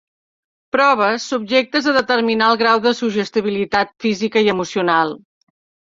Proves subjectes a determinar el grau de suggestibilitat física i emocional.